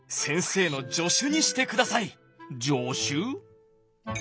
助手？